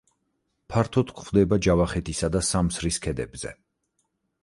ფართოდ გვხვდება ჯავახეთისა და სამსრის ქედებზე.